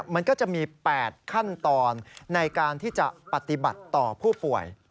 มันก็จะมี๘ขั้นตอนในการที่จะปฏิบัติต่อผู้ป่วย